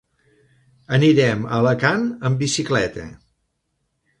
Anirem a Alacant amb bicicleta.